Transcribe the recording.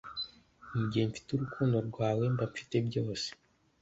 Mugihe mfiteUrukundo rwawe, mba mfite byose.